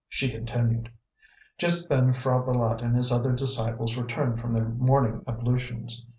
She continued: "Just then P'hra Bâlât and his other disciples returned from their morning ablutions.